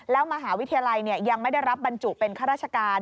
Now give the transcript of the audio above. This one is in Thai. แล้วมหาวิทยาลัยยังไม่ได้รับบรรจุเป็นข้าราชการ